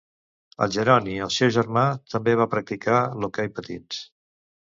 El Jeroni, el seu germà, també va practicar l'hoquei patins.